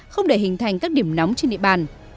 không để hình thành các điểm nóng trên địa bàn